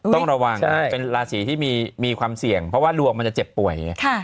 ต้องระวังเป็นราศีที่มีความเสี่ยงเพราะว่าดวงมันจะเจ็บป่วยไง